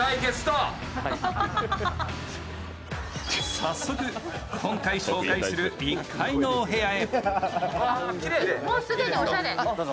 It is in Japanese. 早速、今回紹介する１階のお部屋へ。